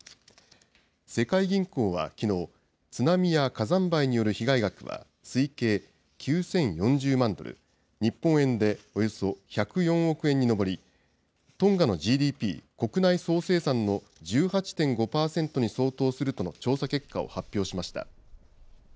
世界銀行はきのう、津波や火山灰による被害額は推計９０４０万ドル、日本円でおよそ１０４億円に上り、トンガのＧＤＰ・国内総生産の１８．５％に相当するとの調査結果を発表しました。